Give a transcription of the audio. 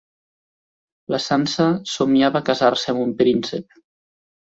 La Sansa somiava a casar-se amb un príncep.